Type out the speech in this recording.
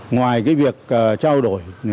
ngoài cái việc trao đổi